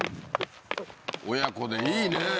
親子でいいね。